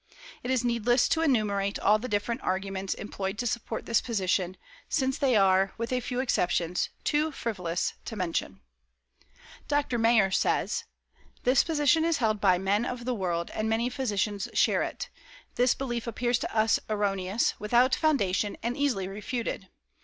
It is needless to enumerate all the different arguments employed to support this position, since they are, with a few exceptions, too frivolous to mention." Dr. Mayer says: "This position is held by men of the world, and many physicians share it. This belief appears to us erroneous, without foundation, and easily refuted.